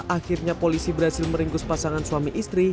akhirnya polisi berhasil meringkus pasangan suami istri